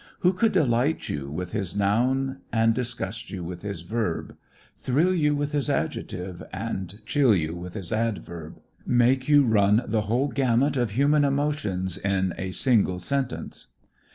Who could delight you with his noun and disgust you with his verb, thrill you with his adjective and chill you with his adverb, make you run the whole gamut of human emotions in a single sentence?